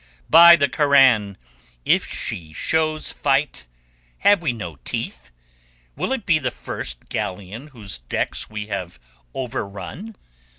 By the Koran, if she shows fight, have we no teeth? Will it be the first galleon whose decks we have overrun?